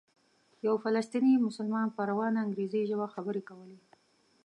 یو فلسطینی مسلمان په روانه انګریزي ژبه خبرې کولې.